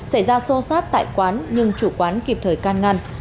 xảy ra xô xát tại quán nhưng chủ quán kịp thời can ngăn